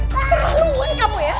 pelan pelan kamu ya